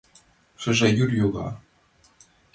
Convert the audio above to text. Шыжа йӱр йога.